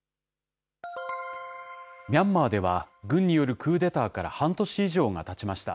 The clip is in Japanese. ミャンマーでは、軍によるクーデターから半年以上がたちました。